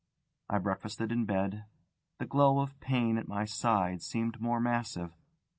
I breakfasted in bed. The glow of pain at my side seemed more massive.